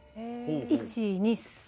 １２３。